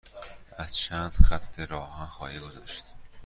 از چند خط راه آهن خواهی گذشت.